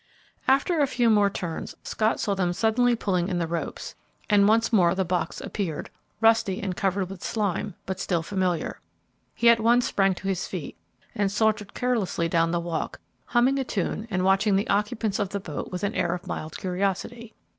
After a few more turns, Scott saw them suddenly pulling in the ropes, and once more the box appeared, rusty and covered with slime, but still familiar. He at once sprang to his feet and sauntered carelessly down the walk, humming a tune and watching the occupants of the boat with an air of mild curiosity.